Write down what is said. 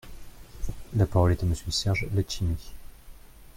La parole est à Monsieur Serge Letchimy.